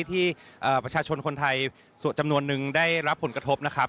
ที่ประชาชนคนไทยส่วนจำนวนนึงได้รับผลกระทบนะครับ